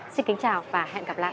xin kính chào và hẹn gặp lại